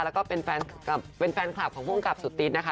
แล้วก็เป็นแฟนคลับของภูมิกับสุตินะคะ